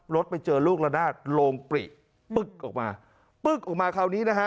รถไปเจอลูกละนาดโลงปรีกปึ๊กออกมา